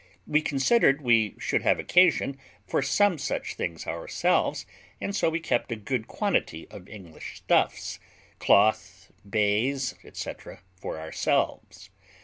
We considered we should have occasion for some such things ourselves, and so we kept a good quantity of English stuffs, cloth, baize, &c., for ourselves.